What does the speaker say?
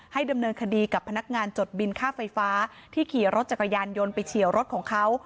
ดำเนินคดีกับพนักงานจดบินค่าไฟฟ้าที่ขี่รถจักรยานยนต์ไปเฉียวรถของเขา